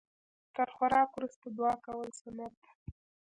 تر خوراک وروسته دعا کول سنت ده